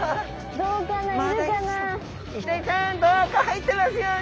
どうか入ってますように。